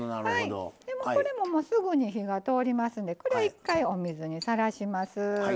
これも、すぐに火が通りますんで一回、お水にさらします。